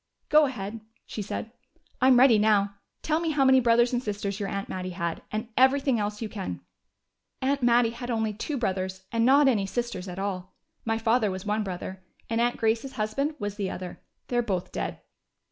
"Go ahead," she said. "I'm ready now. Tell me how many brothers and sisters your aunt Mattie had, and everything else you can." "Aunt Mattie had only two brothers, and not any sisters at all. My father was one brother, and Aunt Grace's husband was the other. They're both dead."